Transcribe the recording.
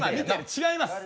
違います